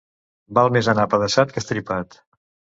Val més anar apedaçat que estripat.